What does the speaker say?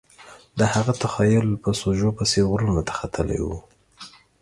د هغه تخیل په سوژو پسې غرونو ته ختلی و